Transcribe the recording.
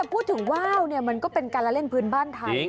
แต่พูดถึงว้าวเนี่ยมันก็เป็นการเล่นพื้นบ้านไทย